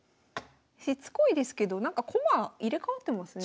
しつこいですけどなんか駒入れ代わってますね。